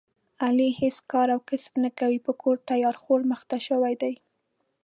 علي هېڅ کار او کسب نه کوي، په کور تیار خور مخته شوی دی.